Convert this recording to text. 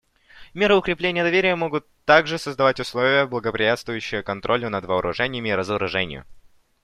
Меры укрепления доверия могут также создавать условия, благоприятствующие контролю над вооружениями и разоружению.